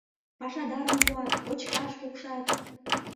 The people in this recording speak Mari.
Пашадарым пуат, кочкаш пукшат...